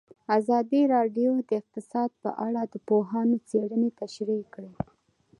ازادي راډیو د اقتصاد په اړه د پوهانو څېړنې تشریح کړې.